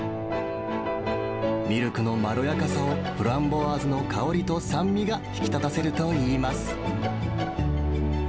ミルクのまろやかさをフランボワーズの香りと酸味が引き立たせるといいます。